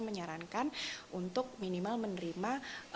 menyarankan untuk minimal menerima